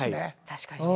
確かにね。